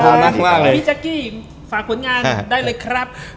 พี่แจ๊กกี้ฝากผลงานได้เลยครับ